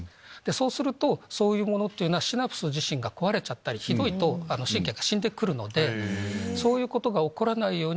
そうするとそういうものはシナプス自身が壊れちゃったりひどいと神経が死んでくるのでそういうことが起こらないように。